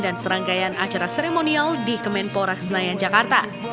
dan serangkaian acara seremonial di kemenporak senayan jakarta